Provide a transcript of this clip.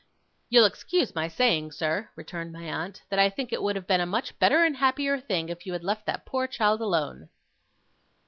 'You'll excuse my saying, sir,' returned my aunt, 'that I think it would have been a much better and happier thing if you had left that poor child alone.